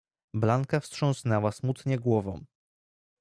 "Blanka wstrząsnęła smutnie głową."